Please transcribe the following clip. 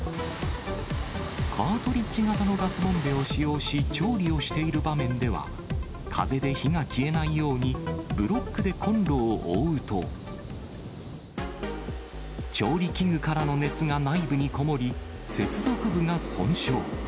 カートリッジ型のガスボンベを使用し、調理をしている場面では、風で火が消えないように、ブロックでコンロを覆うと、調理器具からの熱が内部にこもり、接続部が損傷。